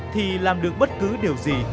thì làm được bất cứ điều gì